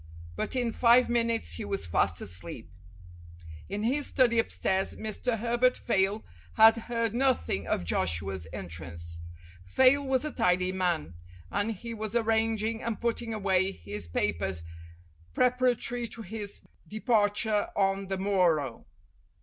But in five minutes he was fast asleep. In his study upstairs, Mr. Herbert Fayle had heard nothing of Joshua's entrance. Fayle was a tidy man, and he was arranging and putting away his papers preparatory to his departure on the morrow.